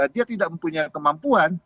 dia tidak mempunyai kemampuan